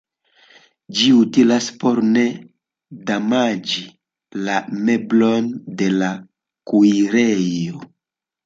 Ĝi utilas por ne damaĝi la meblojn de la kuirejo.